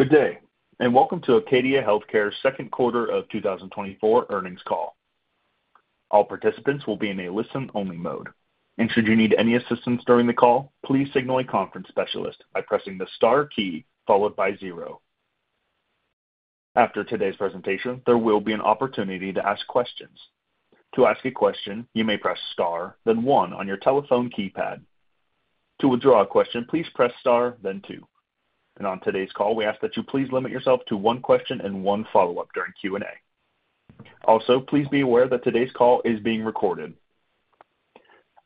Good day, and welcome to Acadia Healthcare's Second Quarter of 2024 Earnings Call. All participants will be in a listen-only mode, and should you need any assistance during the call, please signal a conference specialist by pressing the Star key followed by zero. After today's presentation, there will be an opportunity to ask questions. To ask a question, you may press star, then one on your telephone keypad. To withdraw a question, please press star, then two. On today's call, we ask that you please limit yourself to one question and one follow-up during Q&A. Also, please be aware that today's call is being recorded.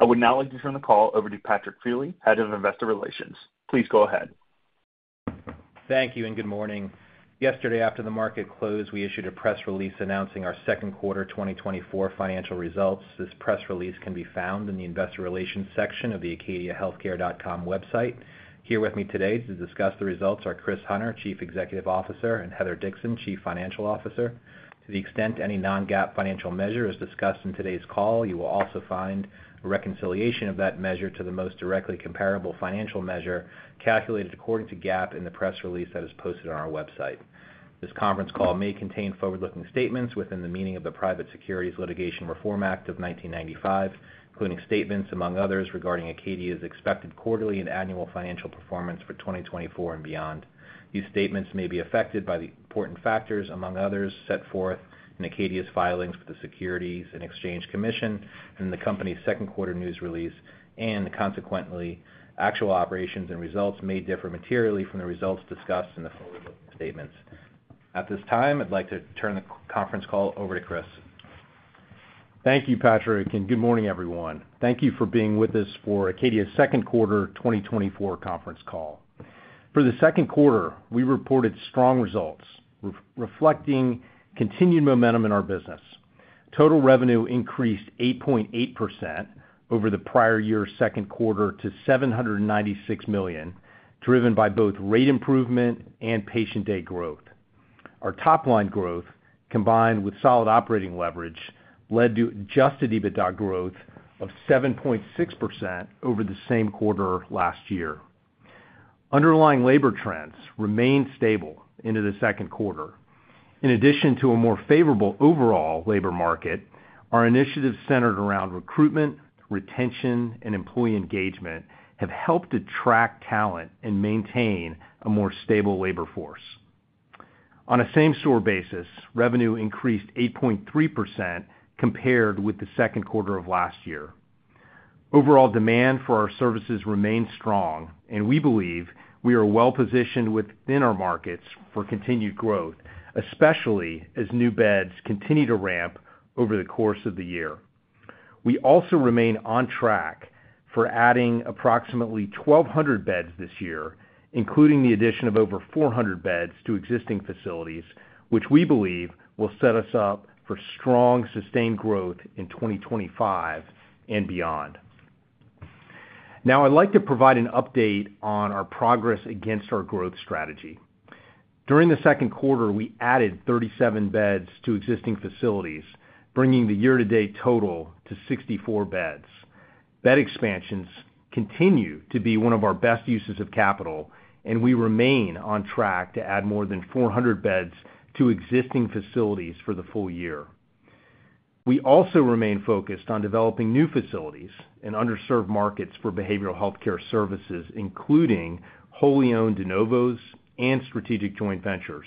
I would now like to turn the call over to Patrick Feeley, Head of Investor Relations. Please go ahead. Thank you, and good morning. Yesterday, after the market closed, we issued a press release announcing our second quarter 2024 financial results. This press release can be found in the Investor Relations section of the acadiahealthcare.com website. Here with me today to discuss the results are Chris Hunter, Chief Executive Officer, and Heather Dixon, Chief Financial Officer. To the extent any non-GAAP financial measure is discussed in today's call, you will also find a reconciliation of that measure to the most directly comparable financial measure, calculated according to GAAP in the press release that is posted on our website. This conference call may contain forward-looking statements within the meaning of the Private Securities Litigation Reform Act of 1995, including statements, among others, regarding Acadia's expected quarterly and annual financial performance for 2024 and beyond. These statements may be affected by the important factors, among others, set forth in Acadia's filings with the Securities and Exchange Commission and the company's second quarter news release, and consequently, actual operations and results may differ materially from the results discussed in the forward-looking statements. At this time, I'd like to turn the conference call over to Chris. Thank you, Patrick, and good morning, everyone. Thank you for being with us for Acadia's second quarter 2024 conference call. For the second quarter, we reported strong results, reflecting continued momentum in our business. Total revenue increased 8.8% over the prior year's second quarter to $796 million, driven by both rate improvement and patient day growth. Our top line growth, combined with solid operating leverage, led to adjusted EBITDA growth of 7.6% over the same quarter last year. Underlying labor trends remained stable into the second quarter. In addition to a more favorable overall labor market, our initiatives centered around recruitment, retention, and employee engagement have helped attract talent and maintain a more stable labor force. On a same-store basis, revenue increased 8.3% compared with the second quarter of last year. Overall demand for our services remains strong, and we believe we are well-positioned within our markets for continued growth, especially as new beds continue to ramp over the course of the year. We also remain on track for adding approximately 1,200 beds this year, including the addition of over 400 beds to existing facilities, which we believe will set us up for strong, sustained growth in 2025 and beyond. Now, I'd like to provide an update on our progress against our growth strategy. During the second quarter, we added 37 beds to existing facilities, bringing the year-to-date total to 64 beds. Bed expansions continue to be one of our best uses of capital, and we remain on track to add more than 400 beds to existing facilities for the full year. We also remain focused on developing new facilities in underserved markets for behavioral healthcare services, including wholly owned de novos and strategic joint ventures.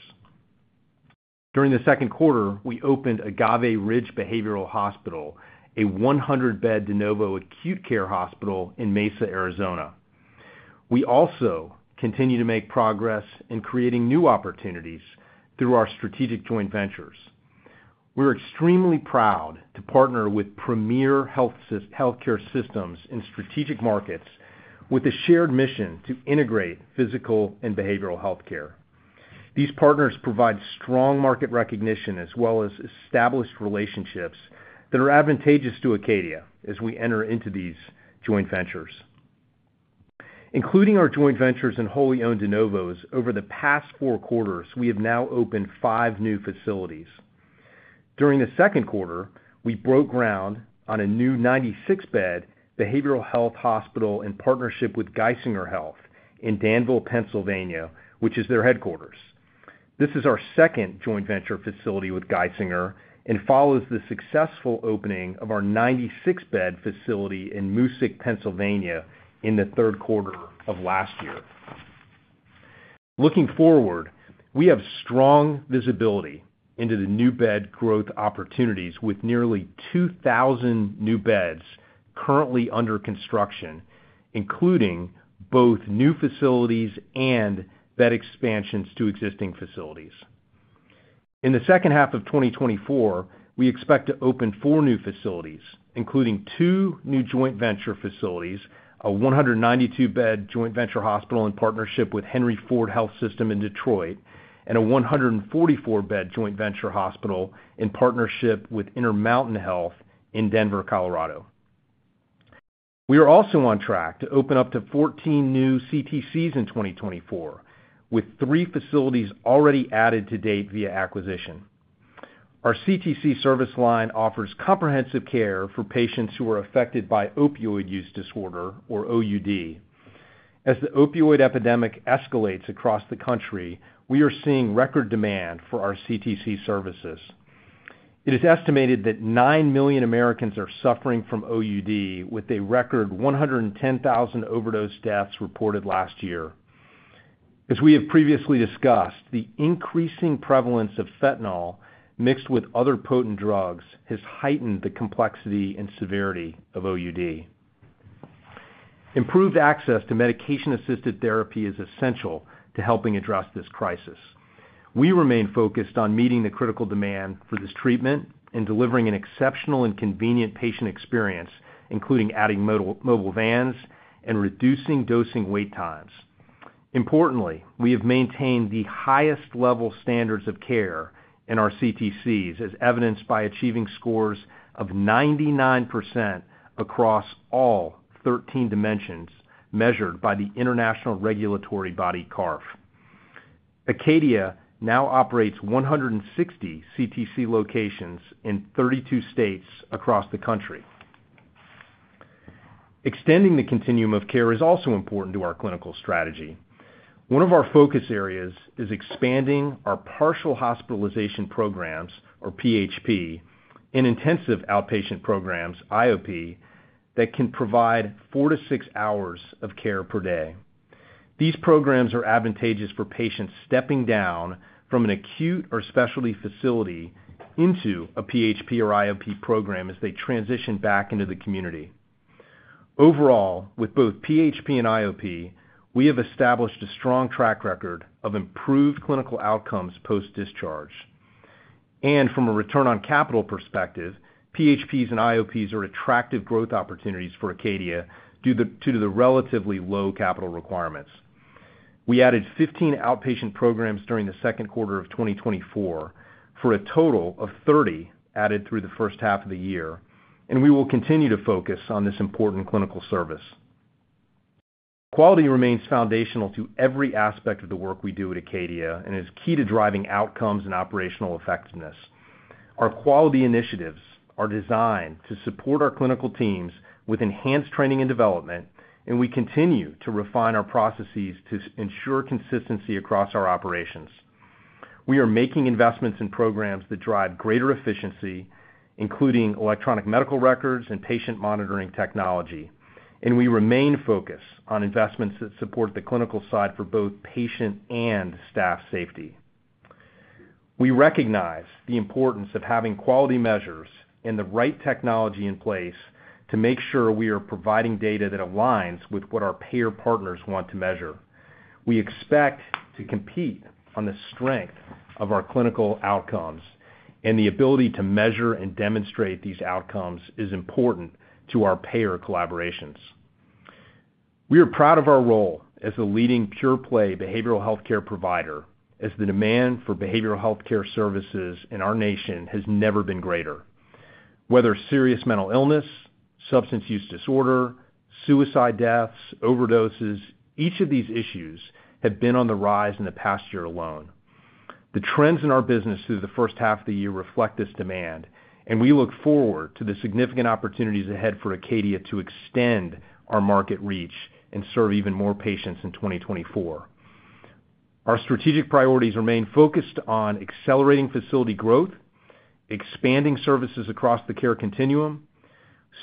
During the second quarter, we opened Agave Ridge Behavioral Hospital, a 100-bed de novo acute care hospital in Mesa, Arizona. We also continue to make progress in creating new opportunities through our strategic joint ventures. We're extremely proud to partner with premier healthcare systems in strategic markets with a shared mission to integrate physical and behavioral healthcare. These partners provide strong market recognition as well as established relationships that are advantageous to Acadia as we enter into these joint ventures. Including our joint ventures and wholly owned de novos, over the past 4 quarters, we have now opened 5 new facilities. During the second quarter, we broke ground on a new 96-bed behavioral health hospital in partnership with Geisinger Health in Danville, Pennsylvania, which is their headquarters. This is our second joint venture facility with Geisinger and follows the successful opening of our 96-bed facility in Moosic, Pennsylvania, in the third quarter of last year. Looking forward, we have strong visibility into the new bed growth opportunities, with nearly 2,000 new beds currently under construction, including both new facilities and bed expansions to existing facilities. In the second half of 2024, we expect to open 4 new facilities, including two new joint venture facilities, a 192-bed joint venture hospital in partnership with Henry Ford Health in Detroit, and a 144-bed joint venture hospital in partnership with Intermountain Health in Denver, Colorado. We are also on track to open up to 14 new CTCs in 2024, with 3 facilities already added to date via acquisition. Our CTC service line offers comprehensive care for patients who are affected by opioid use disorder, or OUD. As the opioid epidemic escalates across the country, we are seeing record demand for our CTC services. It is estimated that 9 million Americans are suffering from OUD, with a record 110,000 overdose deaths reported last year. As we have previously discussed, the increasing prevalence of fentanyl mixed with other potent drugs has heightened the complexity and severity of OUD. Improved access to medication-assisted therapy is essential to helping address this crisis. We remain focused on meeting the critical demand for this treatment and delivering an exceptional and convenient patient experience, including adding mobile vans and reducing dosing wait times. Importantly, we have maintained the highest level standards of care in our CTCs, as evidenced by achieving scores of 99% across all 13 dimensions measured by the international regulatory body, CARF. Acadia now operates 160 CTC locations in 32 states across the country. Extending the continuum of care is also important to our clinical strategy. One of our focus areas is expanding our partial hospitalization programs, or PHP, and intensive outpatient programs, IOP, that can provide 4-6 hours of care per day. These programs are advantageous for patients stepping down from an acute or specialty facility into a PHP or IOP program as they transition back into the community. Overall, with both PHP and IOP, we have established a strong track record of improved clinical outcomes post-discharge. From a return on capital perspective, PHPs and IOPs are attractive growth opportunities for Acadia due to the relatively low capital requirements. We added 15 outpatient programs during the second quarter of 2024, for a total of 30 added through the first half of the year, and we will continue to focus on this important clinical service. Quality remains foundational to every aspect of the work we do at Acadia and is key to driving outcomes and operational effectiveness. Our quality initiatives are designed to support our clinical teams with enhanced training and development, and we continue to refine our processes to ensure consistency across our operations. We are making investments in programs that drive greater efficiency, including electronic medical records and patient monitoring technology, and we remain focused on investments that support the clinical side for both patient and staff safety. We recognize the importance of having quality measures and the right technology in place to make sure we are providing data that aligns with what our payer partners want to measure. We expect to compete on the strength of our clinical outcomes, and the ability to measure and demonstrate these outcomes is important to our payer collaborations. We are proud of our role as a leading pure-play behavioral healthcare provider, as the demand for behavioral healthcare services in our nation has never been greater. Whether serious mental illness, substance use disorder, suicide deaths, overdoses, each of these issues have been on the rise in the past year alone. The trends in our business through the first half of the year reflect this demand, and we look forward to the significant opportunities ahead for Acadia to extend our market reach and serve even more patients in 2024. Our strategic priorities remain focused on accelerating facility growth, expanding services across the care continuum,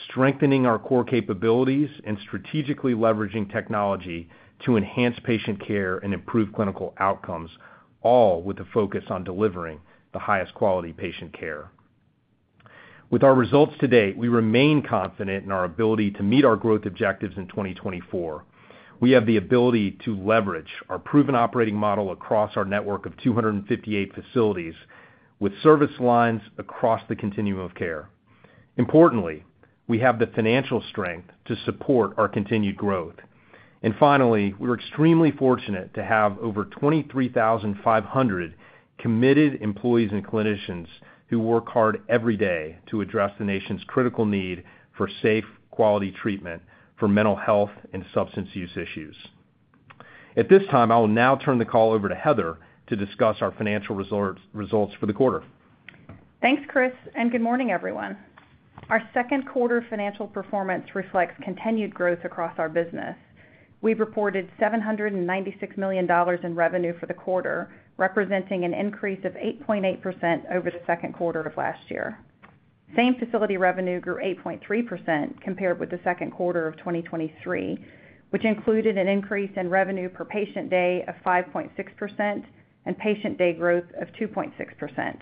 strengthening our core capabilities, and strategically leveraging technology to enhance patient care and improve clinical outcomes, all with a focus on delivering the highest quality patient care. With our results to date, we remain confident in our ability to meet our growth objectives in 2024. We have the ability to leverage our proven operating model across our network of 258 facilities, with service lines across the continuum of care. Importantly, we have the financial strength to support our continued growth. Finally, we're extremely fortunate to have over 23,500 committed employees and clinicians who work hard every day to address the nation's critical need for safe, quality treatment for mental health and substance use issues. At this time, I will now turn the call over to Heather to discuss our financial results for the quarter. Thanks, Chris, and good morning, everyone. Our second quarter financial performance reflects continued growth across our business. We've reported $796 million in revenue for the quarter, representing an increase of 8.8% over the second quarter of last year. Same-facility revenue grew 8.3% compared with the second quarter of 2023, which included an increase in revenue per patient day of 5.6% and patient day growth of 2.6%.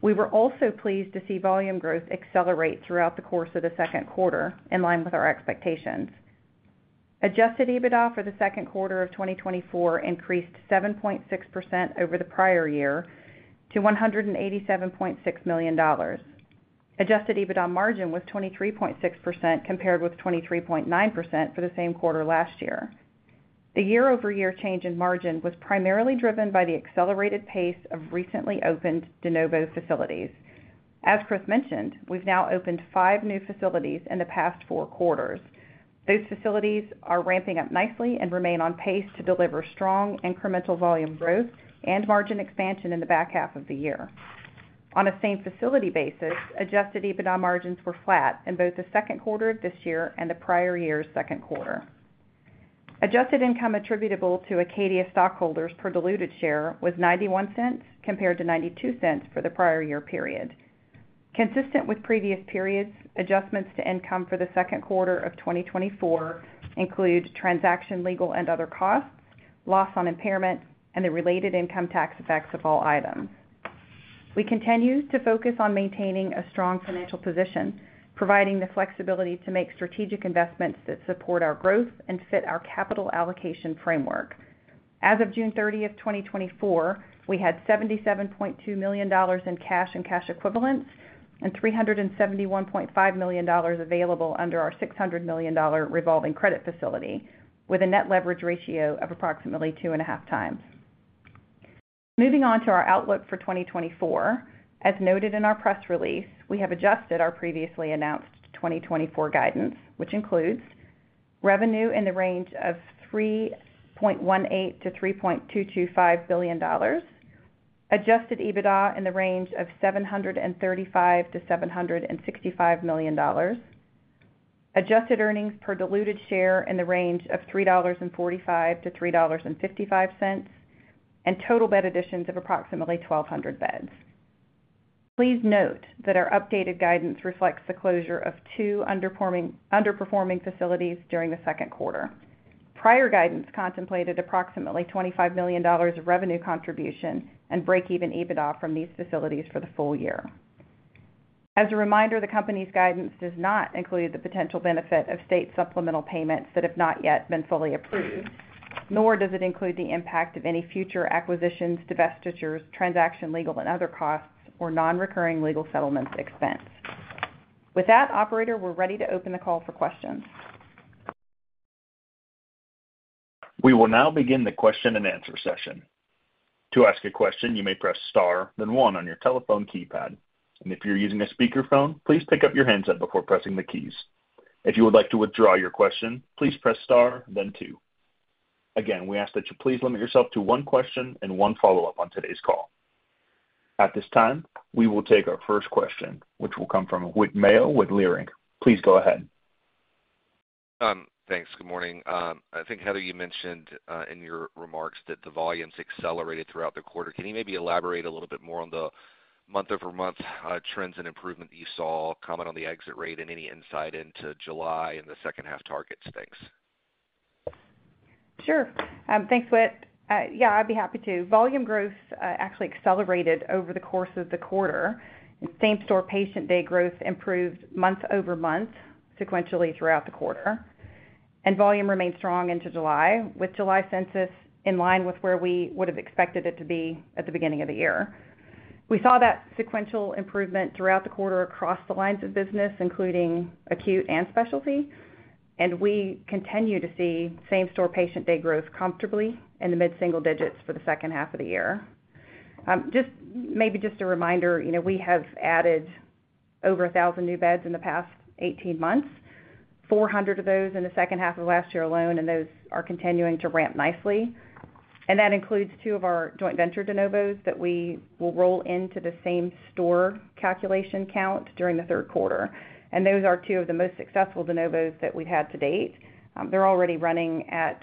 We were also pleased to see volume growth accelerate throughout the course of the second quarter, in line with our expectations. Adjusted EBITDA for the second quarter of 2024 increased 7.6% over the prior year to $187.6 million. Adjusted EBITDA margin was 23.6%, compared with 23.9% for the same quarter last year. The year-over-year change in margin was primarily driven by the accelerated pace of recently opened de novo facilities. As Chris mentioned, we've now opened 5 new facilities in the past 4 quarters. Those facilities are ramping up nicely and remain on pace to deliver strong incremental volume growth and margin expansion in the back half of the year. On a same facility basis, adjusted EBITDA margins were flat in both the second quarter of this year and the prior year's second quarter. Adjusted income attributable to Acadia stockholders per diluted share was $0.91 compared to $0.92 for the prior year period. Consistent with previous periods, adjustments to income for the second quarter of 2024 include transaction, legal, and other costs, loss on impairment, and the related income tax effects of all items. We continue to focus on maintaining a strong financial position, providing the flexibility to make strategic investments that support our growth and fit our capital allocation framework. As of June 30, 2024, we had $77.2 million in cash and cash equivalents and $371.5 million available under our $600 million revolving credit facility, with a net leverage ratio of approximately 2.5x. Moving on to our outlook for 2024. As noted in our press release, we have adjusted our previously announced 2024 guidance, which includes revenue in the range of $3.18 billion-$3.225 billion, adjusted EBITDA in the range of $735 million-$765 million, adjusted earnings per diluted share in the range of $3.45-$3.55, and total bed additions of approximately 1,200 beds. Please note that our updated guidance reflects the closure of two underperforming facilities during the second quarter. Prior guidance contemplated approximately $25 million of revenue contribution and break-even EBITDA from these facilities for the full year. As a reminder, the company's guidance does not include the potential benefit of state supplemental payments that have not yet been fully approved, nor does it include the impact of any future acquisitions, divestitures, transaction, legal, and other costs, or nonrecurring legal settlements expense. With that, operator, we're ready to open the call for questions. We will now begin the question-and-answer session. To ask a question, you may press star, then one on your telephone keypad, and if you're using a speakerphone, please pick up your handset before pressing the keys. If you would like to withdraw your question, please press star then two. Again, we ask that you please limit yourself to one question and one follow-up on today's call. At this time, we will take our first question, which will come from Whit Mayo with Leerink. Please go ahead. Thanks. Good morning. I think, Heather, you mentioned in your remarks that the volumes accelerated throughout the quarter. Can you maybe elaborate a little bit more on the month-over-month trends and improvement that you saw, comment on the exit rate and any insight into July and the second half targets? Thanks. Sure. Thanks, Whit. Yeah, I'd be happy to. Volume growth, actually accelerated over the course of the quarter, and same-store patient day growth improved month-over-month, sequentially throughout the quarter. Volume remained strong into July, with July census in line with where we would have expected it to be at the beginning of the year. We saw that sequential improvement throughout the quarter across the lines of business, including acute and specialty, and we continue to see same-store patient day growth comfortably in the mid-single digits for the second half of the year. Maybe a reminder, you know, we have added over 1,000 new beds in the past 18 months, 400 of those in the second half of last year alone, and those are continuing to ramp nicely. That includes two of our joint venture de novos that we will roll into the same store calculation count during the third quarter. Those are two of the most successful de novos that we've had to date. They're already running at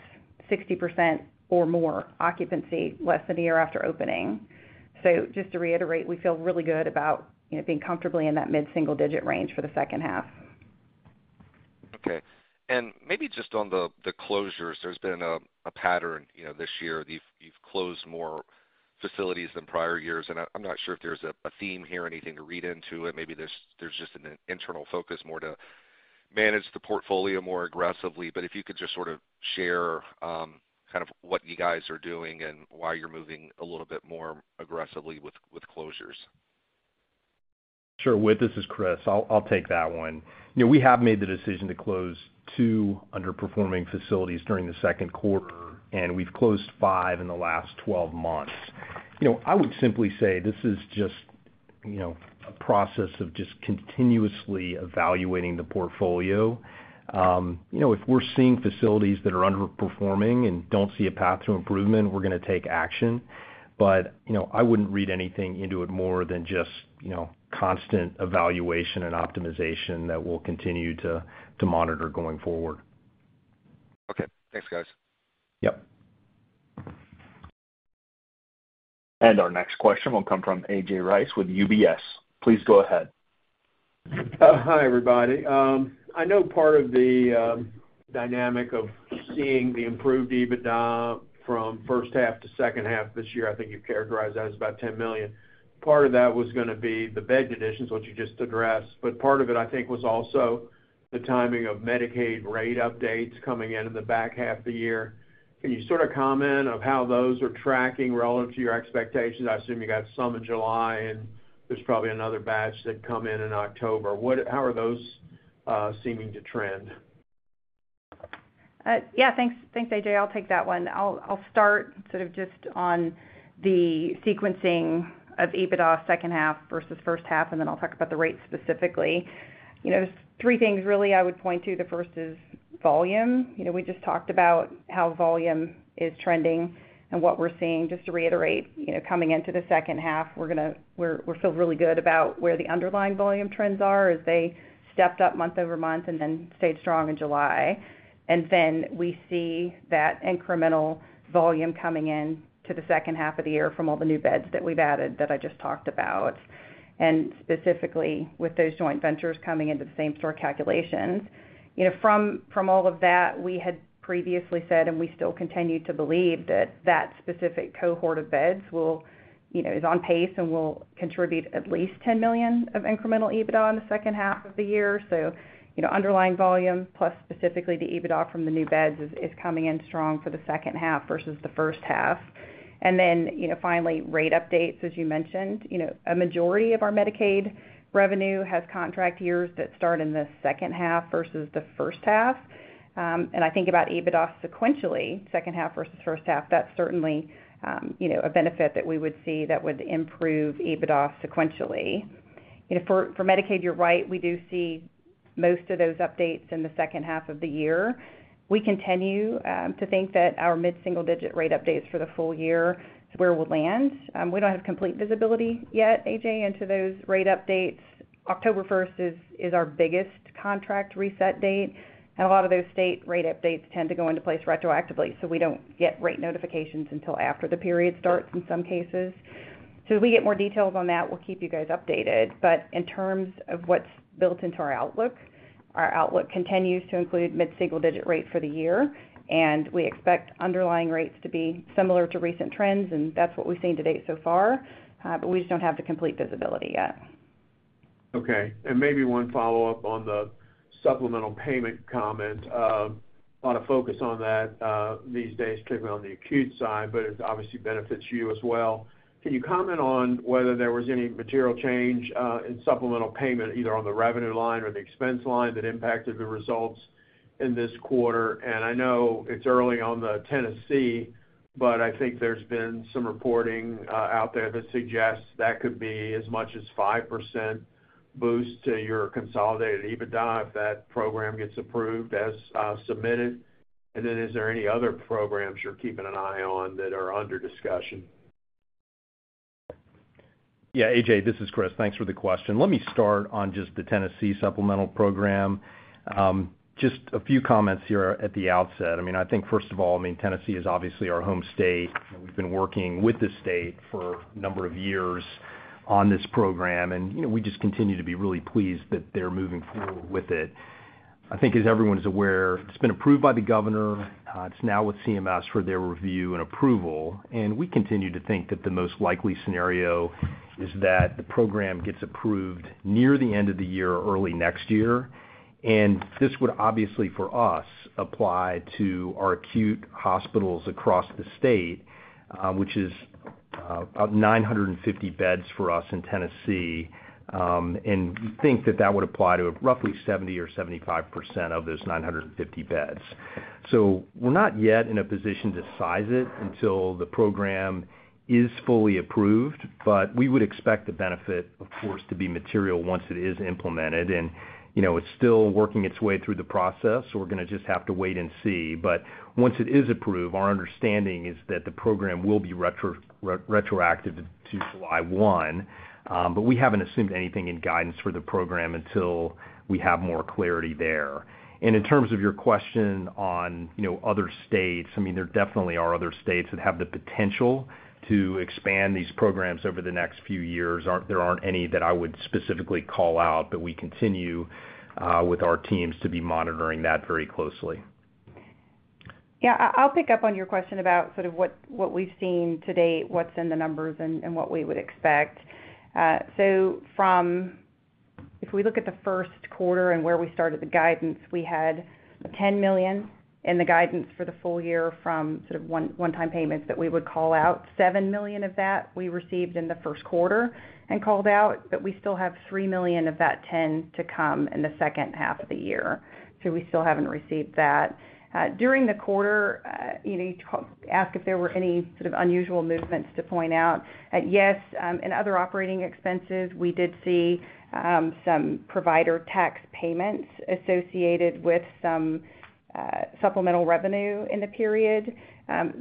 60% or more occupancy less than a year after opening. So just to reiterate, we feel really good about, you know, being comfortably in that mid-single-digit range for the second half. Okay. And maybe just on the closures, there's been a pattern, you know, this year. You've closed more facilities than prior years, and I'm not sure if there's a theme here, anything to read into it. Maybe there's just an internal focus, more to manage the portfolio more aggressively. But if you could just sort of share kind of what you guys are doing and why you're moving a little bit more aggressively with closures. Sure. Whit, this is Chris. I'll take that one. You know, we have made the decision to close two underperforming facilities during the second quarter, and we've closed five in the last twelve months. You know, I would simply say this is just, you know, a process of just continuously evaluating the portfolio. You know, if we're seeing facilities that are underperforming and don't see a path to improvement, we're gonna take action. But, you know, I wouldn't read anything into it more than just, you know, constant evaluation and optimization that we'll continue to monitor going forward. Okay. Thanks, guys. Yep. Our next question will come from A.J. Rice with UBS. Please go ahead. Hi, everybody. I know part of the dynamic of seeing the improved EBITDA from first half to second half this year, I think you've characterized that as about $10 million. Part of that was gonna be the bed additions, which you just addressed, but part of it, I think, was also the timing of Medicaid rate updates coming in in the back half of the year. Can you sort of comment on how those are tracking relative to your expectations? I assume you got some in July, and there's probably another batch that come in in October. How are those seeming to trend?... Yeah, thanks, thanks, AJ. I'll take that one. I'll start sort of just on the sequencing of EBITDA second half versus first half, and then I'll talk about the rates specifically. You know, three things really I would point to. The first is volume. You know, we just talked about how volume is trending and what we're seeing. Just to reiterate, you know, coming into the second half, we feel really good about where the underlying volume trends are as they stepped up month-over-month and then stayed strong in July. And then we see that incremental volume coming in to the second half of the year from all the new beds that we've added that I just talked about, and specifically with those joint ventures coming into the same store calculations. You know, from all of that, we had previously said, and we still continue to believe, that that specific cohort of beds will, you know, is on pace and will contribute at least $10 million of incremental EBITDA in the second half of the year. So, you know, underlying volume, plus specifically the EBITDA from the new beds, is coming in strong for the second half versus the first half. And then, you know, finally, rate updates, as you mentioned, you know, a majority of our Medicaid revenue has contract years that start in the second half versus the first half. And I think about EBITDA sequentially, second half versus first half, that's certainly, you know, a benefit that we would see that would improve EBITDA sequentially. You know, for Medicaid, you're right, we do see most of those updates in the second half of the year. We continue to think that our mid-single-digit rate updates for the full year is where we'll land. We don't have complete visibility yet, AJ, into those rate updates. October 1st is our biggest contract reset date, and a lot of those state rate updates tend to go into place retroactively, so we don't get rate notifications until after the period starts in some cases. So as we get more details on that, we'll keep you guys updated. But in terms of what's built into our outlook, our outlook continues to include mid-single digit rate for the year, and we expect underlying rates to be similar to recent trends, and that's what we've seen to date so far, but we just don't have the complete visibility yet. Okay. And maybe one follow-up on the supplemental payment comment. A lot of focus on that these days, particularly on the acute side, but it obviously benefits you as well. Can you comment on whether there was any material change in supplemental payment, either on the revenue line or the expense line, that impacted the results in this quarter? And I know it's early on the Tennessee, but I think there's been some reporting out there that suggests that could be as much as 5% boost to your consolidated EBITDA if that program gets approved as submitted. And then is there any other programs you're keeping an eye on that are under discussion? Yeah, AJ, this is Chris. Thanks for the question. Let me start on just the Tennessee supplemental program. Just a few comments here at the outset. I mean, I think first of all, I mean, Tennessee is obviously our home state, and we've been working with the state for a number of years on this program, and, you know, we just continue to be really pleased that they're moving forward with it. I think, as everyone is aware, it's been approved by the governor. It's now with CMS for their review and approval, and we continue to think that the most likely scenario is that the program gets approved near the end of the year or early next year. And this would obviously, for us, apply to our acute hospitals across the state, which is, about 950 beds for us in Tennessee. And we think that that would apply to roughly 70% or 75% of those 950 beds. So we're not yet in a position to size it until the program is fully approved, but we would expect the benefit, of course, to be material once it is implemented. And, you know, it's still working its way through the process, so we're going to just have to wait and see. But once it is approved, our understanding is that the program will be retroactive to July 1, but we haven't assumed anything in guidance for the program until we have more clarity there. And in terms of your question on, you know, other states, I mean, there definitely are other states that have the potential to expand these programs over the next few years. There aren't any that I would specifically call out, but we continue with our teams to be monitoring that very closely. Yeah, I'll pick up on your question about sort of what we've seen to date, what's in the numbers, and what we would expect. So from... If we look at the first quarter and where we started the guidance, we had $10 million in the guidance for the full year from sort of one-time payments that we would call out. $7 million of that we received in the first quarter and called out, but we still have $3 million of that $10 million to come in the second half of the year. So we still haven't received that. During the quarter, you know, you asked if there were any sort of unusual movements to point out. Yes, in other operating expenses, we did see some provider tax payments associated with some supplemental revenue in the period.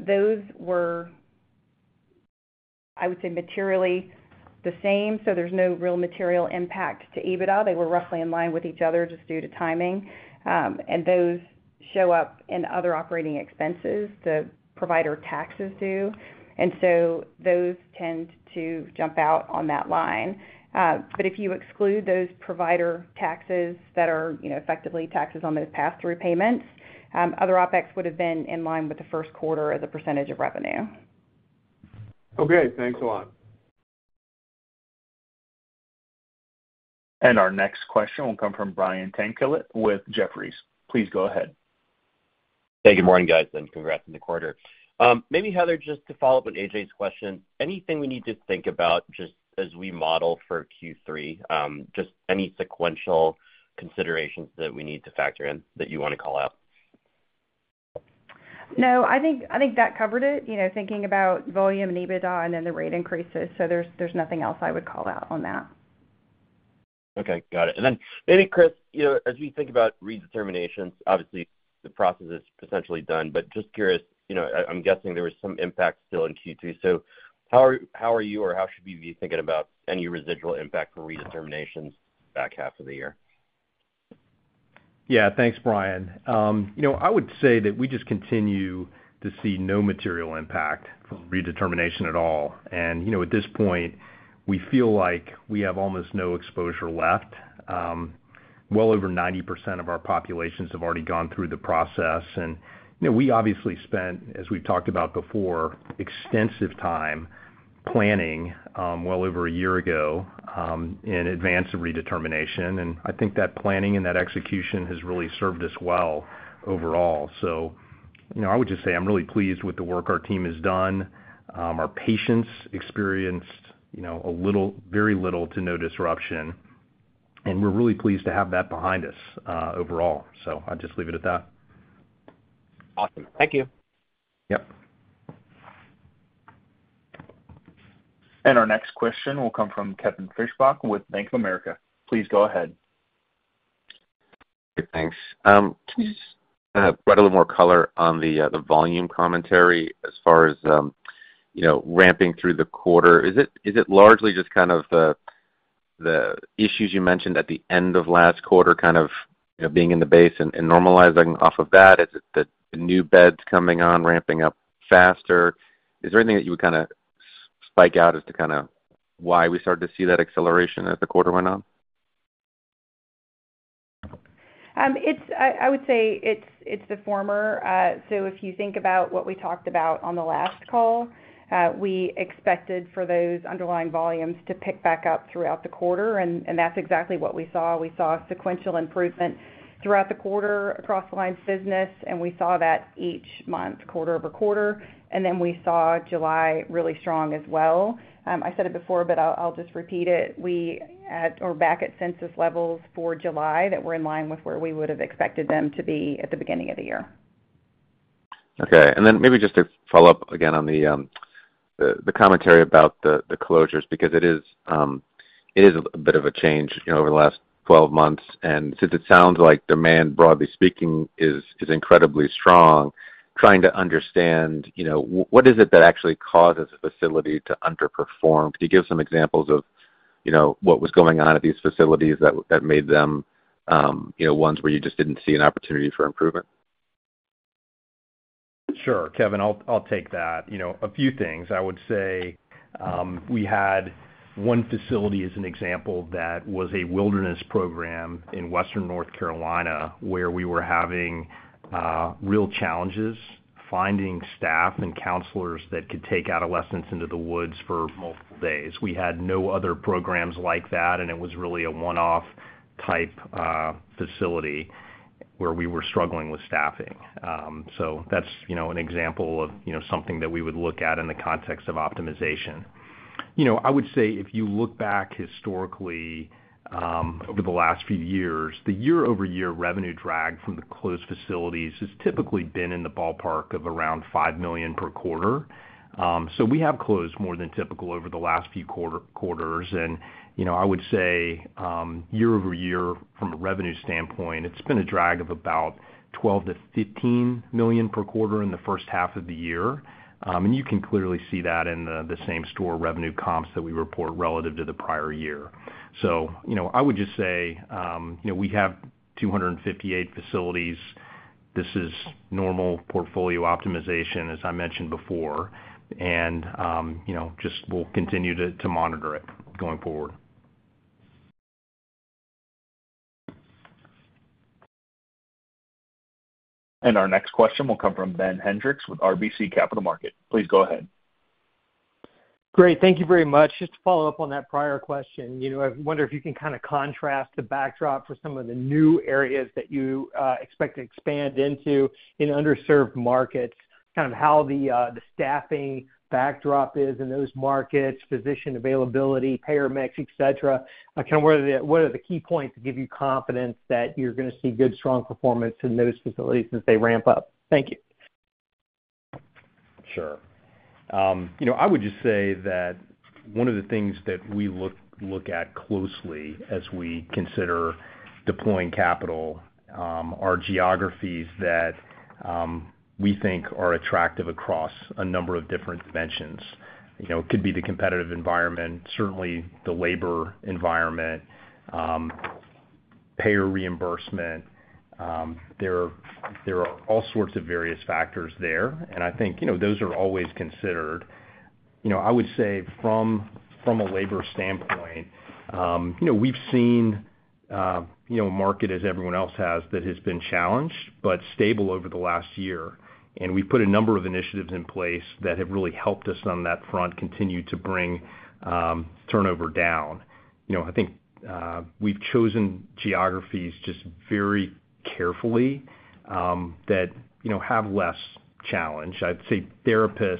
Those were, I would say, materially the same, so there's no real material impact to EBITDA. They were roughly in line with each other just due to timing. And those show up in other operating expenses, the provider taxes due, and so those tend to jump out on that line. But if you exclude those provider taxes that are, you know, effectively taxes on those passthrough payments, other OpEx would have been in line with the first quarter as a percentage of revenue. Okay, thanks a lot. Our next question will come from Brian Tanquilut with Jefferies. Please go ahead. Hey, good morning, guys, and congrats on the quarter. Maybe, Heather, just to follow up on A.J. question, anything we need to think about just as we model for Q3? Just any sequential considerations that we need to factor in that you want to call out? ... No, I think that covered it. You know, thinking about volume and EBITDA and then the rate increases, so there's nothing else I would call out on that. Okay, got it. And then maybe, Chris, you know, as we think about redeterminations, obviously, the process is potentially done, but just curious, you know, I, I'm guessing there was some impact still in Q2. So how are you or how should we be thinking about any residual impact from redeterminations back half of the year? Yeah, thanks, Brian. You know, I would say that we just continue to see no material impact from redetermination at all. And, you know, at this point, we feel like we have almost no exposure left. Well over 90% of our populations have already gone through the process, and, you know, we obviously spent, as we've talked about before, extensive time planning, well over a year ago, in advance of redetermination. And I think that planning and that execution has really served us well overall. So, you know, I would just say I'm really pleased with the work our team has done. Our patients experienced, you know, a little—very little to no disruption, and we're really pleased to have that behind us, overall. So I'll just leave it at that. Awesome. Thank you. Yep. Our next question will come from Kevin Fischbach with Bank of America. Please go ahead. Thanks. Can you just provide a little more color on the volume commentary as far as you know, ramping through the quarter? Is it largely just kind of the issues you mentioned at the end of last quarter, kind of, you know, being in the base and normalizing off of that? Is it the new beds coming on, ramping up faster? Is there anything that you would kind of spike out as to kind of why we started to see that acceleration as the quarter went on? It's the former. So if you think about what we talked about on the last call, we expected for those underlying volumes to pick back up throughout the quarter, and that's exactly what we saw. We saw sequential improvement throughout the quarter across the lines business, and we saw that each month, quarter-over-quarter, and then we saw July really strong as well. I said it before, but I'll just repeat it, we are back at census levels for July that were in line with where we would have expected them to be at the beginning of the year. Okay. And then maybe just to follow up again on the commentary about the closures, because it is a bit of a change, you know, over the last 12 months. And since it sounds like demand, broadly speaking, is incredibly strong, trying to understand, you know, what is it that actually causes a facility to underperform? Can you give some examples of, you know, what was going on at these facilities that made them, you know, ones where you just didn't see an opportunity for improvement? Sure, Kevin, I'll take that. You know, a few things. I would say, we had one facility as an example, that was a wilderness program in Western North Carolina, where we were having real challenges finding staff and counselors that could take adolescents into the woods for multiple days. We had no other programs like that, and it was really a one-off type facility where we were struggling with staffing. So that's, you know, an example of, you know, something that we would look at in the context of optimization. You know, I would say if you look back historically, over the last few years, the year-over-year revenue drag from the closed facilities has typically been in the ballpark of around $5 million per quarter. So we have closed more than typical over the last few quarters. And, you know, I would say, year-over-year, from a revenue standpoint, it's been a drag of about $12 million-$15 million per quarter in the first half of the year. And you can clearly see that in the same store revenue comps that we report relative to the prior year. So, you know, I would just say, you know, we have 258 facilities. This is normal portfolio optimization, as I mentioned before, and, you know, just we'll continue to monitor it going forward. Our next question will come from Ben Hendrix with RBC Capital Markets. Please go ahead. Great. Thank you very much. Just to follow up on that prior question, you know, I wonder if you can kind of contrast the backdrop for some of the new areas that you expect to expand into in underserved markets, kind of how the staffing backdrop is in those markets, physician availability, payer mix, et cetera. Kind of what are the key points that give you confidence that you're going to see good, strong performance in those facilities as they ramp up? Thank you. Sure. You know, I would just say that one of the things that we look at closely as we consider deploying capital are geographies that we think are attractive across a number of different dimensions. You know, it could be the competitive environment, certainly the labor environment, payer reimbursement. There are all sorts of various factors there, and I think, you know, those are always considered. You know, I would say from a labor standpoint, you know, we've seen a market as everyone else has, that has been challenged but stable over the last year. And we've put a number of initiatives in place that have really helped us on that front, continue to bring turnover down. You know, I think we've chosen geographies just very carefully that you know, have less challenge. I'd say therapists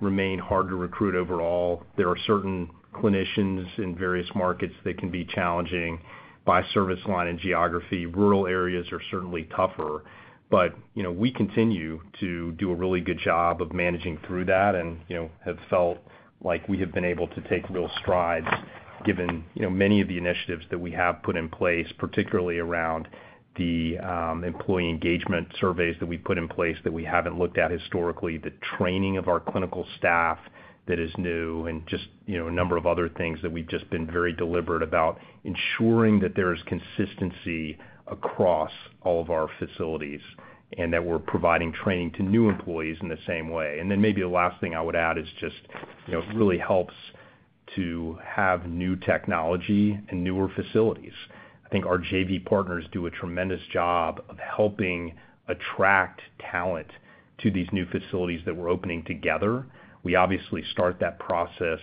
remain hard to recruit overall. There are certain clinicians in various markets that can be challenging by service line and geography. Rural areas are certainly tougher, but, you know, we continue to do a really good job of managing through that, and, you know, have felt like we have been able to take real strides given, you know, many of the initiatives that we have put in place, particularly around the employee engagement surveys that we put in place that we haven't looked at historically, the training of our clinical staff that is new, and just, you know, a number of other things that we've just been very deliberate about ensuring that there is consistency across all of our facilities, and that we're providing training to new employees in the same way. And then maybe the last thing I would add is just, you know, it really helps to have new technology and newer facilities. I think our JV partners do a tremendous job of helping attract talent to these new facilities that we're opening together. We obviously start that process,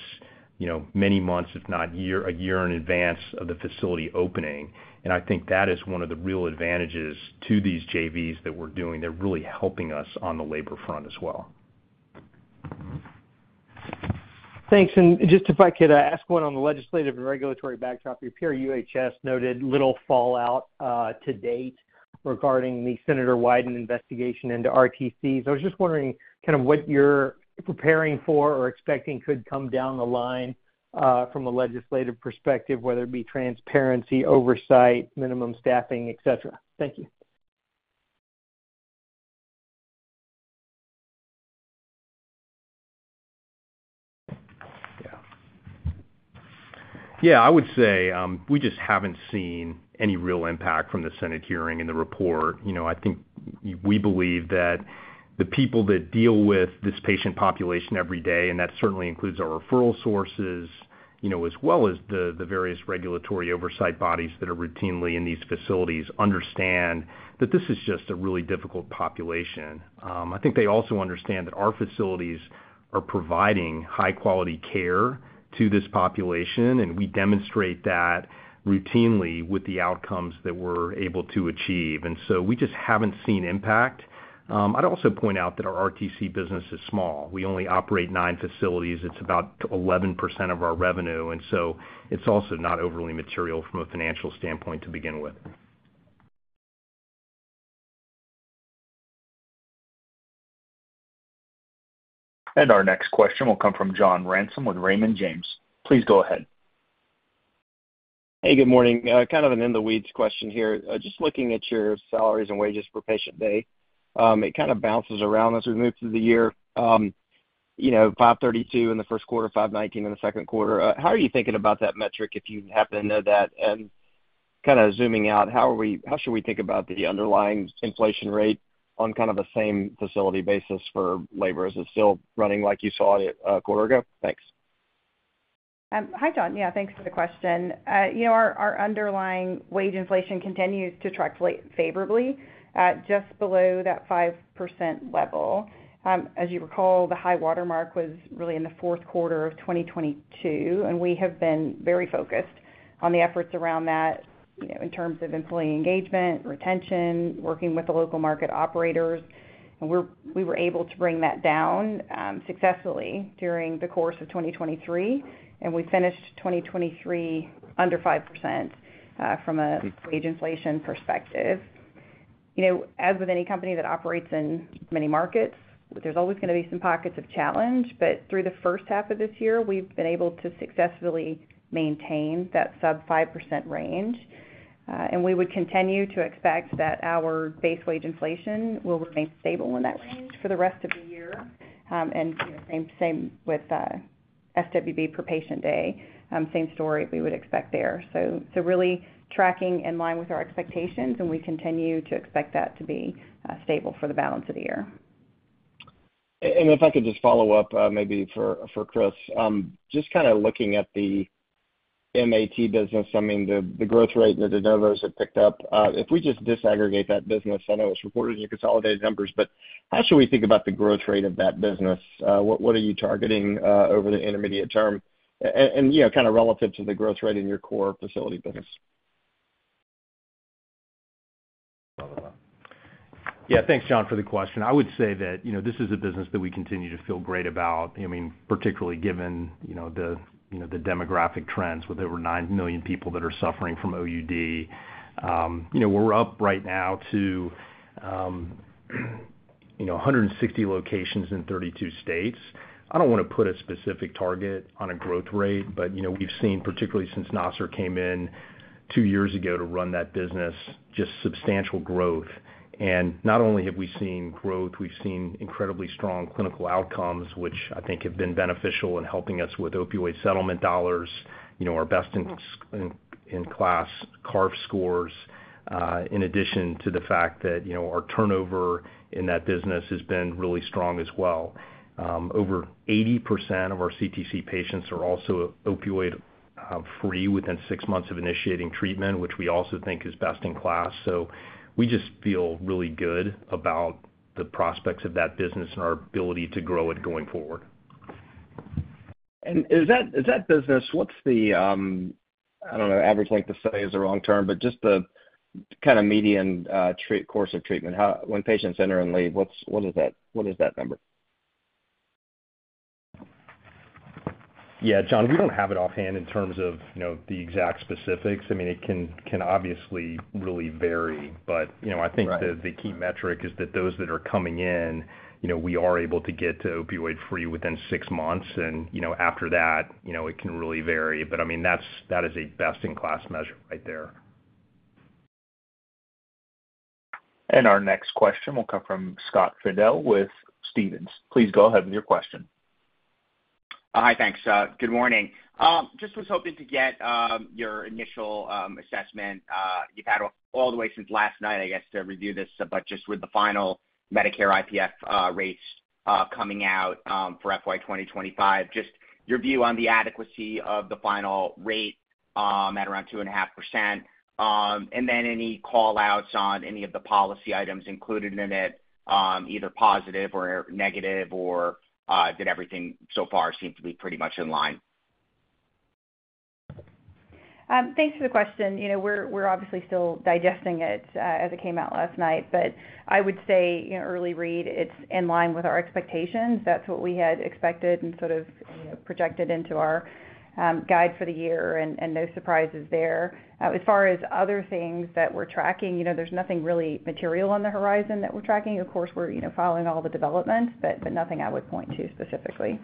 you know, many months, if not a year, in advance of the facility opening, and I think that is one of the real advantages to these JVs that we're doing. They're really helping us on the labor front as well. Thanks. Just if I could ask one on the legislative and regulatory backdrop, your peer, UHS, noted little fallout to date regarding the Senator Wyden investigation into RTCs. I was just wondering kind of what you're preparing for or expecting could come down the line from a legislative perspective, whether it be transparency, oversight, minimum staffing, et cetera. Thank you. Yeah. Yeah, I would say we just haven't seen any real impact from the Senate hearing and the report. You know, I think we believe that the people that deal with this patient population every day, and that certainly includes our referral sources, you know, as well as the various regulatory oversight bodies that are routinely in these facilities, understand that this is just a really difficult population. I think they also understand that our facilities are providing high-quality care to this population, and we demonstrate that routinely with the outcomes that we're able to achieve. And so we just haven't seen impact. I'd also point out that our RTC business is small. We only operate nine facilities. It's about 11% of our revenue, and so it's also not overly material from a financial standpoint to begin with. Our next question will come from John Ransom with Raymond James. Please go ahead. Hey, good morning. Kind of an in-the-weeds question here. Just looking at your salaries and wages per patient day, it kind of bounces around as we move through the year. You know, $5.32 in the first quarter, $5.19 in the second quarter. How are you thinking about that metric, if you happen to know that? Kind of zooming out, how should we think about the underlying inflation rate on kind of the same facility basis for labor? Is it still running like you saw it a quarter ago? Thanks. Hi, John. Yeah, thanks for the question. You know, our underlying wage inflation continues to track favorably, just below that 5% level. As you recall, the high watermark was really in the fourth quarter of 2022, and we have been very focused on the efforts around that, you know, in terms of employee engagement, retention, working with the local market operators. We were able to bring that down successfully during the course of 2023, and we finished 2023 under 5%, from a wage inflation perspective. You know, as with any company that operates in many markets, there's always gonna be some pockets of challenge, but through the first half of this year, we've been able to successfully maintain that sub-5% range. And we would continue to expect that our base wage inflation will remain stable in that range for the rest of the year. And, you know, same, same with, SWB per patient day, same story we would expect there. So, so really tracking in line with our expectations, and we continue to expect that to be, stable for the balance of the year. And if I could just follow up, maybe for Chris. Just kind of looking at the MAT business, I mean, the growth rate at de novos have picked up. If we just disaggregate that business, I know it's reported in your consolidated numbers, but how should we think about the growth rate of that business? What are you targeting over the intermediate term? And, you know, kind of relative to the growth rate in your core facility business. Yeah, thanks, John, for the question. I would say that, you know, this is a business that we continue to feel great about. I mean, particularly given, you know, the demographic trends with over 9 million people that are suffering from OUD. You know, we're up right now to, you know, 160 locations in 32 states. I don't wanna put a specific target on a growth rate, but, you know, we've seen, particularly since Nasser came in two years ago to run that business, just substantial growth. Not only have we seen growth, we've seen incredibly strong clinical outcomes, which I think have been beneficial in helping us with opioid settlement dollars, you know, our best in class CARF scores, in addition to the fact that, you know, our turnover in that business has been really strong as well. Over 80% of our CTC patients are also opioid free within six months of initiating treatment, which we also think is best in class. So we just feel really good about the prospects of that business and our ability to grow it going forward.... And is that, is that business, what's the, I don't know, average length of stay is the wrong term, but just the kind of median, treatment course of treatment. How, when patients enter and leave, what's, what is that, what is that number? Yeah, John, we don't have it offhand in terms of, you know, the exact specifics. I mean, it can obviously really vary. But, you know, I think- Right The key metric is that those that are coming in, you know, we are able to get to opioid-free within six months, and, you know, after that, you know, it can really vary. But, I mean, that's, that is a best-in-class measure right there. Our next question will come from Scott Fidel with Stephens. Please go ahead with your question. Hi, thanks. Good morning. Just was hoping to get your initial assessment. You've had all the way since last night, I guess, to review this, but just with the final Medicare IPF rates coming out for FY 2025, just your view on the adequacy of the final rate at around 2.5%. And then any call-outs on any of the policy items included in it, either positive or negative, or did everything so far seem to be pretty much in line? Thanks for the question. You know, we're, we're obviously still digesting it, as it came out last night, but I would say, you know, early read, it's in line with our expectations. That's what we had expected and sort of, you know, projected into our guide for the year, and no surprises there. As far as other things that we're tracking, you know, there's nothing really material on the horizon that we're tracking. Of course, we're, you know, following all the developments, but nothing I would point to specifically.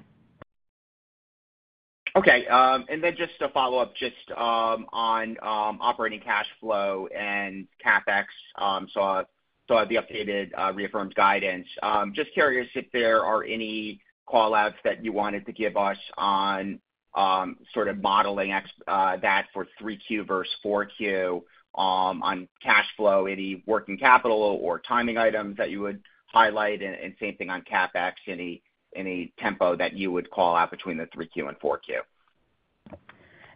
Okay, and then just to follow up, just on operating cash flow and CapEx, so saw the updated reaffirmed guidance. Just curious if there are any call-outs that you wanted to give us on sort of modeling that for 3Q versus 4Q on cash flow, any working capital or timing items that you would highlight? And same thing on CapEx, any tempo that you would call out between the 3Q and 4Q.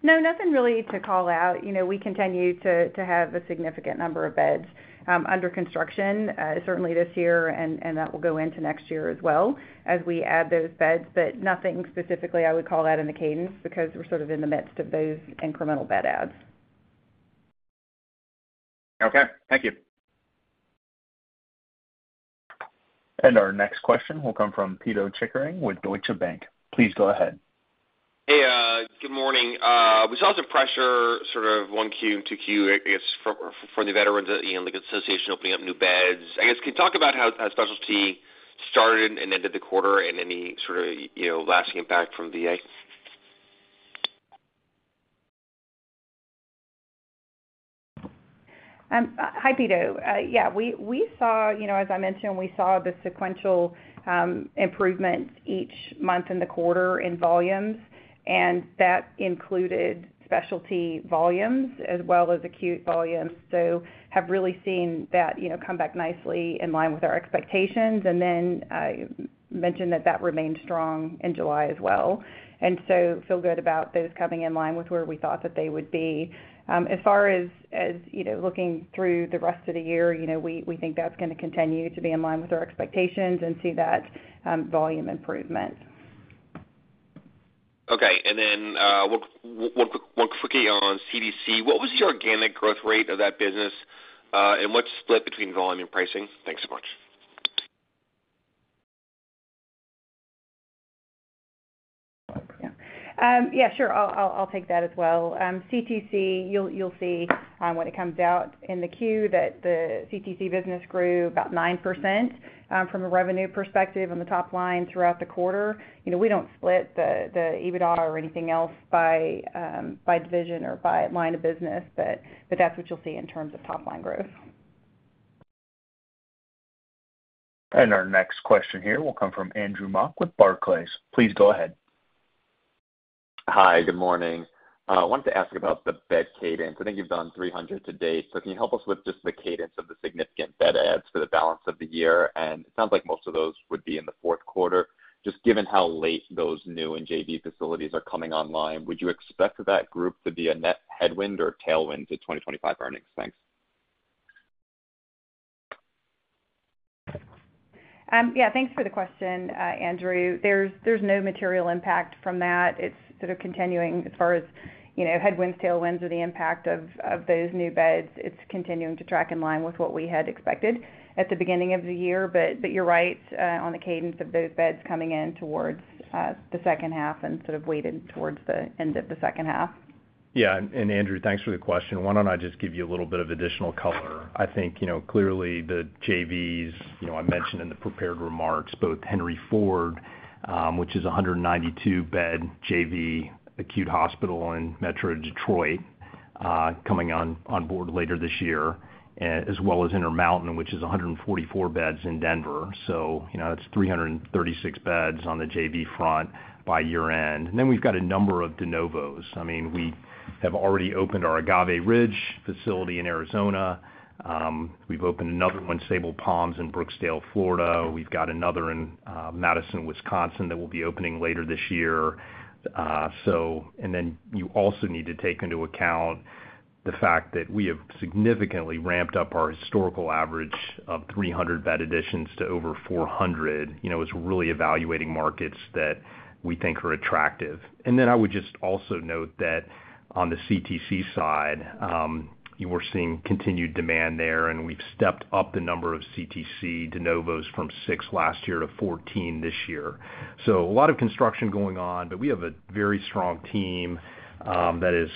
No, nothing really to call out. You know, we continue to have a significant number of beds under construction, certainly this year, and that will go into next year as well as we add those beds, but nothing specifically I would call out in the cadence because we're sort of in the midst of those incremental bed adds. Okay, thank you. Our next question will come from Pito Chickering with Deutsche Bank. Please go ahead. Hey, good morning. We saw some pressure, sort of 1Q and 2Q, I guess, for the veterans, you know, like association opening up new beds. I guess, can you talk about how specialty started and ended the quarter and any sort of, you know, lasting impact from VA? Hi, Pito. Yeah, we saw, you know, as I mentioned, we saw the sequential improvement each month in the quarter in volumes, and that included specialty volumes as well as acute volumes. So have really seen that, you know, come back nicely in line with our expectations. And then, mentioned that that remained strong in July as well, and so feel good about those coming in line with where we thought that they would be. As far as you know, looking through the rest of the year, you know, we think that's going to continue to be in line with our expectations and see that volume improvement. Okay. And then one quickly on CTC. What was the organic growth rate of that business, and what's split between volume and pricing? Thanks so much. Yeah, sure. I'll take that as well. CTC, you'll see when it comes out in the Q, that the CTC business grew about 9% from a revenue perspective on the top line throughout the quarter. You know, we don't split the EBITDA or anything else by division or by line of business, but that's what you'll see in terms of top-line growth. Our next question here will come from Andrew Mok with Barclays. Please go ahead. Hi, good morning. I wanted to ask about the bed cadence. I think you've done 300 to date, so can you help us with just the cadence of the significant bed adds for the balance of the year? And it sounds like most of those would be in the fourth quarter. Just given how late those new and JV facilities are coming online, would you expect that group to be a net headwind or tailwind to 2025 earnings? Thanks. Yeah, thanks for the question, Andrew. There's no material impact from that. It's sort of continuing as far as, you know, headwinds, tailwinds, or the impact of those new beds. It's continuing to track in line with what we had expected at the beginning of the year, but you're right on the cadence of those beds coming in towards the second half and sort of weighted towards the end of the second half. Yeah, and Andrew, thanks for the question. Why don't I just give you a little bit of additional color? I think, you know, clearly, the JVs, you know, I mentioned in the prepared remarks, both Henry Ford Health, which is a 192-bed JV acute hospital in metro Detroit, coming on board later this year, as well as Intermountain Health, which is 144 beds in Denver. So you know, that's 336 beds on the JV front by year-end. And then we've got a number of de novos. I mean, we have already opened our Agave Ridge facility in Arizona. We've opened another one, Sabal Palms, in Brooksville, Florida. We've got another in Madison, Wisconsin, that will be opening later this year. So and then you also need to take into account-... The fact that we have significantly ramped up our historical average of 300 bed additions to over 400, you know, is really evaluating markets that we think are attractive. And then I would just also note that on the CTC side, you were seeing continued demand there, and we've stepped up the number of CTC de novos from 6 last year to 14 this year. So a lot of construction going on, but we have a very strong team that is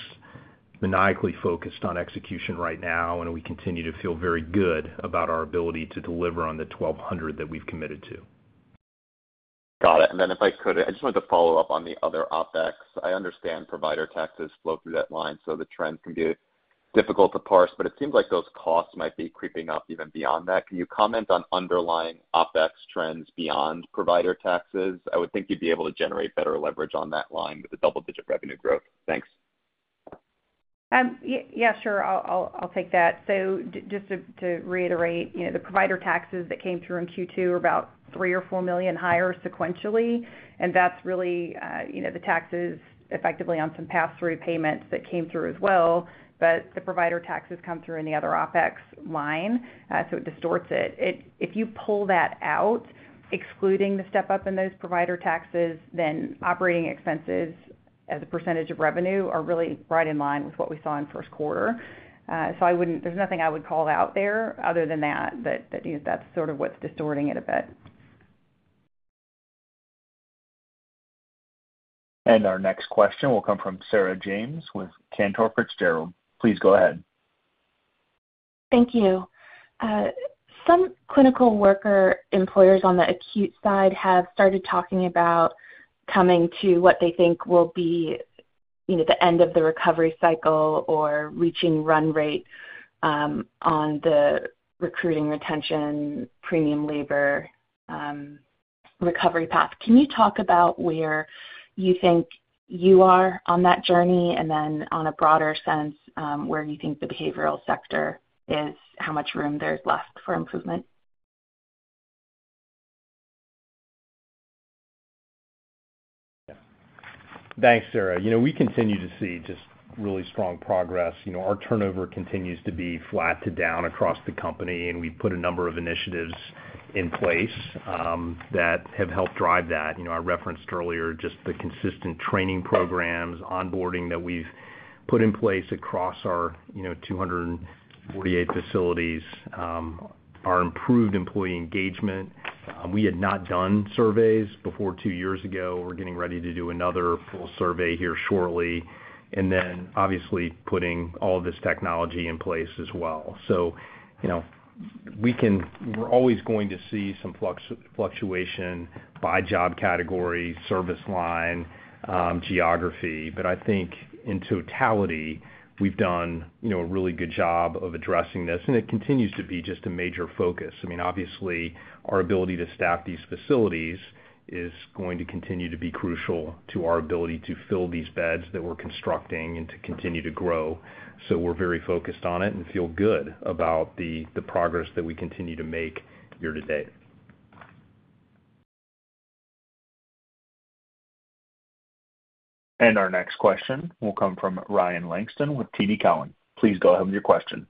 maniacally focused on execution right now, and we continue to feel very good about our ability to deliver on the 1,200 that we've committed to. Got it. And then if I could, I just wanted to follow up on the other OpEx. I understand provider taxes flow through that line, so the trends can be difficult to parse, but it seems like those costs might be creeping up even beyond that. Can you comment on underlying OpEx trends beyond provider taxes? I would think you'd be able to generate better leverage on that line with the double-digit revenue growth. Thanks. Yeah, sure. I'll take that. So just to reiterate, you know, the provider taxes that came through in Q2 are about $3 million-$4 million higher sequentially, and that's really, you know, the taxes effectively on some pass-through payments that came through as well. But the provider taxes come through in the other OpEx line, so it distorts it. It. If you pull that out, excluding the step-up in those provider taxes, then operating expenses as a percentage of revenue are really right in line with what we saw in first quarter. So I wouldn't—there's nothing I would call out there other than that, that's sort of what's distorting it a bit. Our next question will come from Sarah James with Cantor Fitzgerald. Please go ahead. Thank you. Some clinical worker employers on the acute side have started talking about coming to what they think will be, you know, the end of the recovery cycle or reaching run rate on the recruiting, retention, premium labor recovery path. Can you talk about where you think you are on that journey, and then on a broader sense, where you think the behavioral sector is, how much room there's left for improvement? Thanks, Sarah. You know, we continue to see just really strong progress. You know, our turnover continues to be flat to down across the company, and we've put a number of initiatives in place that have helped drive that. You know, I referenced earlier just the consistent training programs, onboarding that we've put in place across our 248 facilities, our improved employee engagement. We had not done surveys before two years ago. We're getting ready to do another full survey here shortly, and then, obviously, putting all this technology in place as well. So, you know, we're always going to see some fluctuation by job category, service line, geography, but I think in totality, we've done a really good job of addressing this, and it continues to be just a major focus. I mean, obviously, our ability to staff these facilities is going to continue to be crucial to our ability to fill these beds that we're constructing and to continue to grow. So we're very focused on it and feel good about the progress that we continue to make year to date. Our next question will come from Ryan Langston with TD Cowen. Please go ahead with your question.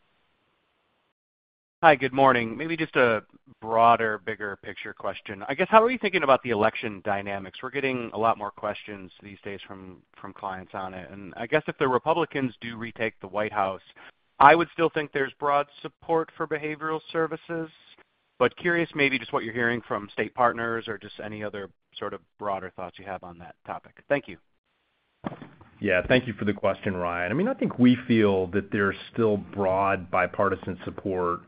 Hi, good morning. Maybe just a broader, bigger picture question. I guess, how are you thinking about the election dynamics? We're getting a lot more questions these days from clients on it, and I guess if the Republicans do retake the White House, I would still think there's broad support for behavioral services. But curious, maybe just what you're hearing from state partners or just any other sort of broader thoughts you have on that topic. Thank you. Yeah, thank you for the question, Ryan. I mean, I think we feel that there's still broad bipartisan support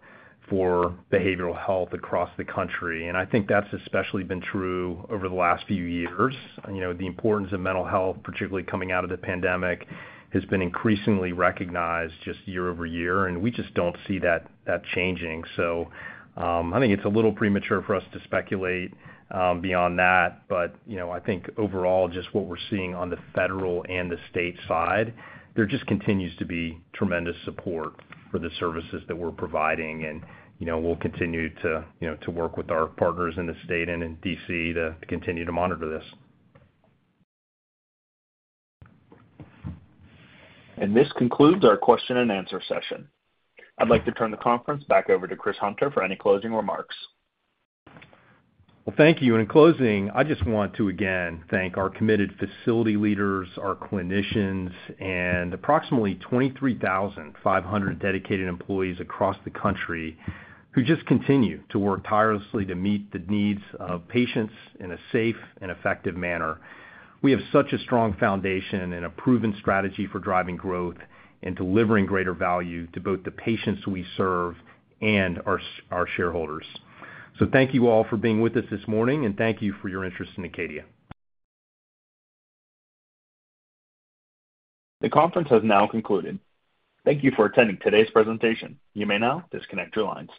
for behavioral health across the country, and I think that's especially been true over the last few years. You know, the importance of mental health, particularly coming out of the pandemic, has been increasingly recognized just year-over-year, and we just don't see that, that changing. So, I think it's a little premature for us to speculate beyond that, but, you know, I think overall, just what we're seeing on the federal and the state side, there just continues to be tremendous support for the services that we're providing. And, you know, we'll continue to, you know, to work with our partners in the state and in D.C. to continue to monitor this. This concludes our question-and-answer session. I'd like to turn the conference back over to Chris Hunter for any closing remarks. Well, thank you. In closing, I just want to again thank our committed facility leaders, our clinicians, and approximately 23,500 dedicated employees across the country who just continue to work tirelessly to meet the needs of patients in a safe and effective manner. We have such a strong foundation and a proven strategy for driving growth and delivering greater value to both the patients we serve and our shareholders. So thank you all for being with us this morning, and thank you for your interest in Acadia. The conference has now concluded. Thank you for attending today's presentation. You may now disconnect your lines.